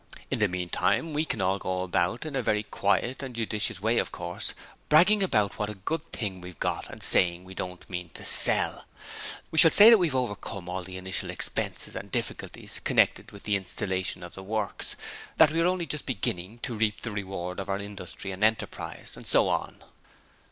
'In the meantime we can all go about in a very quiet and judicious way, of course bragging about what a good thing we've got, and saying we don't mean to sell. We shall say that we've overcome all the initial expenses and difficulties connected with the installation of the works that we are only just beginning to reap the reward of our industry and enterprise, and so on.